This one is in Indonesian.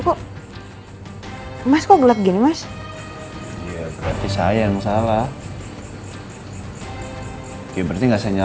kalian baik baik saja ya